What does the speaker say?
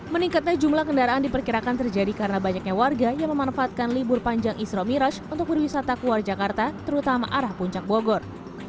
meningkatnya jumlah kendaraan diperkirakan terjadi karena banyaknya warga yang memanfaatkan libur panjang isra miras untuk berwisata keluar jakarta terutama arah puncak bogor